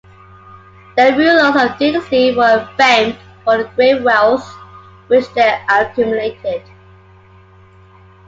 The rulers of this dynasty were famed for the great wealth which they accumulated.